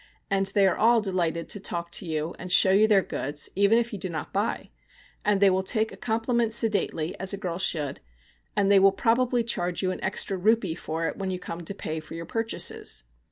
And they are all delighted to talk to you and show you their goods, even if you do not buy; and they will take a compliment sedately, as a girl should, and they will probably charge you an extra rupee for it when you come to pay for your purchases.